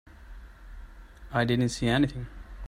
I didn't see anything.